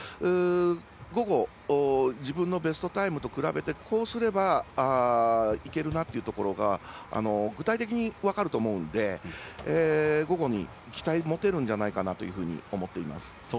午後、自分のベストタイムと比べて、こうすればいけるなというところが具体的に分かると思うので午後に期待を持てるんじゃないかなと思っています。